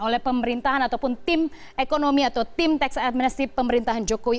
oleh pemerintahan ataupun tim ekonomi atau tim teks administrasi pemerintahan jokowi